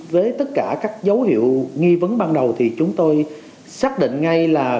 với tất cả các dấu hiệu nghi vấn ban đầu thì chúng tôi xác định ngay là